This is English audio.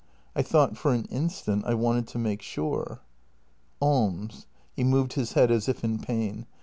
I thought for an instant — I wanted to make sure." " Alms." He moved his head as if in pain.